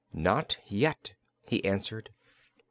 "Not yet," he answered.